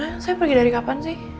saya pergi dari kapan sih